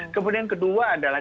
kemudian kedua adalah